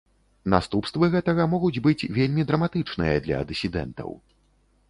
Наступствы гэтага могуць быць вельмі драматычныя для дысідэнтаў.